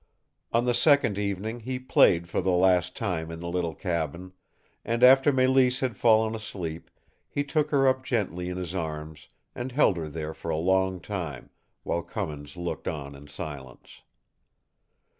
On the second evening he played for the last time in the little cabin; and after Mélisse had fallen asleep he took her up gently in his arms and held her there for a long time, while Cummins looked on in silence.